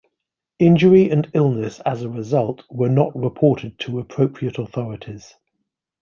Injury and illness as a result were not reported to appropriate authorities.